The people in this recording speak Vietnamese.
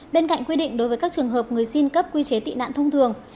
bên cạnh quy định đối với các trường hợp người xin cấp quy chế tị nạn thông thường